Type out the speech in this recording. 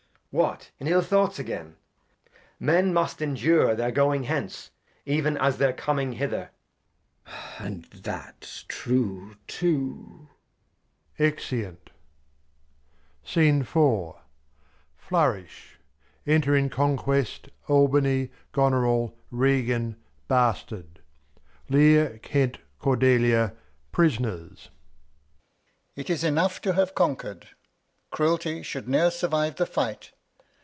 What ! In ill Thoughts again ? Men must endure Their going hence, ev'n as their coming hither, i^^^u..^ *».*^/•' Glost. And that's true too. \Exeunt. tUt^.z.' ^ Flourish. Enter in Conquest, Albany, Goneril, Regan, Bastard. Lear, Kent, Cordelia, Prisoners. Alb. It is enough to have Conquer'd, Cruelty Shou'd ne're survive the Fight.